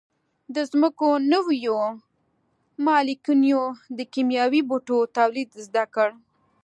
د ځمکو نویو مالکینو د کیمیاوي بوټو تولید زده کړ.